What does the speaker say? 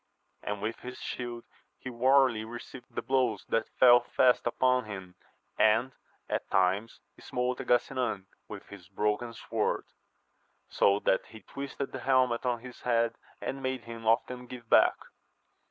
And with his shield he warily received the blows that fell fast upon him, and at times smote at Gasinan with his broken sword, so that he twisted the helmet on his head, and made hiTn often give back.